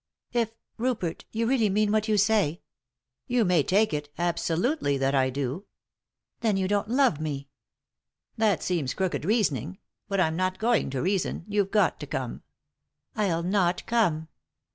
" If, Rupert, you really mean what you say —" "You may take it, absolutely, that I do." "Then you don't love me." " That seems crooked reasoning. But I'm not going to reason. You've got to come." "I'll not come."